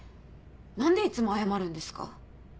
何でいつも謝るんですか？